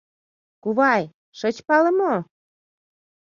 — Кувай, шыч пале мо?